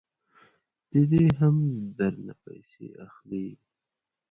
ددې هم درنه پیسې اخلي.